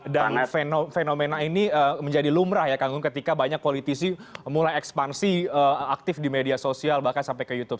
dan fenomena ini menjadi lumrah ya kangung ketika banyak politisi mulai ekspansi aktif di media sosial bahkan sampai ke youtube